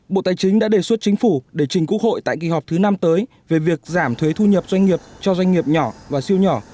bộ tài chính đã đề xuất chính phủ để trình quốc hội tại kỳ họp thứ năm tới về việc giảm thuế thu nhập doanh nghiệp cho doanh nghiệp nhỏ và siêu nhỏ